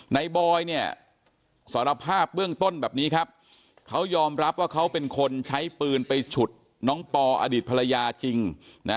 บอยเนี่ยสารภาพเบื้องต้นแบบนี้ครับเขายอมรับว่าเขาเป็นคนใช้ปืนไปฉุดน้องปออดีตภรรยาจริงนะ